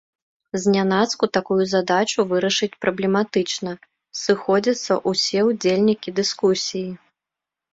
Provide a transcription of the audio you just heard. Знянацку такую задачу вырашыць праблематычна, сыходзяцца ўсе ўдзельнікі дыскусіі.